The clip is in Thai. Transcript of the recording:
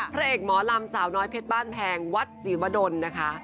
พระเอกหมอลำสาวน้อยเพชรบ้านแพงวัดศรีวดลนะคะ